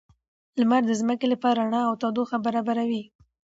لمر د ځمکې لپاره رڼا او تودوخه برابروي